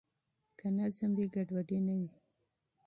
که نظم وي ګډوډي نه وي.